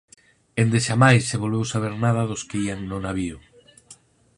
Endexamais se volveu saber nada dos que ían no navío.